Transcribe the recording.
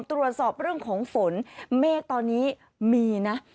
ตรวจสอบเรื่องของฝนเมฆตอนนี้มีนะ